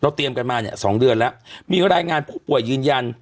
เตรียมกันมาเนี่ย๒เดือนแล้วมีรายงานผู้ป่วยยืนยัน